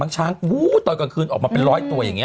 ช้างตอนกลางคืนออกมาเป็นร้อยตัวอย่างนี้